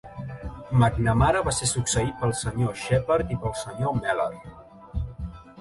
McNamara va ser succeït pel Sr. Shepherd i pel Sr. Mellor.